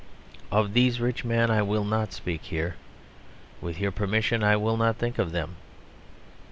Of these rich men I will not speak here; with your permission, I will not think of them.